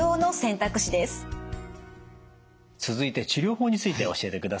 続いて治療法について教えてください。